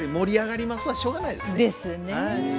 しょうがないですね。ですねぇ。